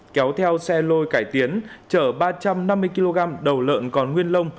kéo theo xe lôi cải tiến chở ba trăm năm mươi kg đầu lợn còn nguyên lông